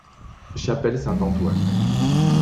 Chapelle Saint-Antoine.